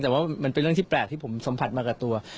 แต่ว่ามันเป็นเรื่องที่แปลกที่ผมสัมผัสมากับตัว